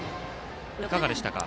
いかがでしたか？